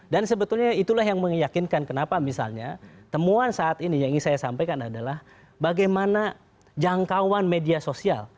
dan sebetulnya itulah yang meyakinkan kenapa misalnya temuan saat ini yang ingin saya sampaikan adalah bagaimana jangkauan media sosial